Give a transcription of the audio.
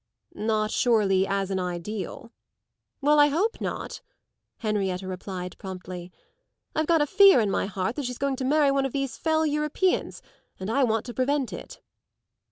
"Not surely as an ideal?" "Well, I hope not," Henrietta replied promptly. "I've got a fear in my heart that she's going to marry one of these fell Europeans, and I want to prevent it.